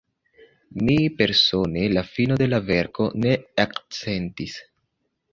Mi persone la finon de la verko ne eksentis.